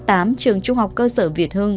trường trung học cơ sở việt hương